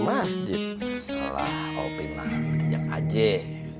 mati sekarang mau dia lagi di masjid